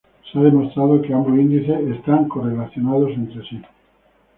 Se ha demostrado que ambos índices están correlacionados entre sí.